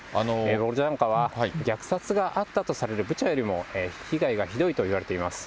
ボロジャンカは、虐殺があったとされるブチャよりも被害がひどいといわれています。